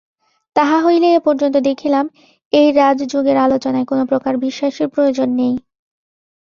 তাহা হইলে এ-পর্যন্ত দেখিলাম, এই রাজযোগের আলোচনায় কোন প্রকার বিশ্বাসের প্রয়োজন নাই।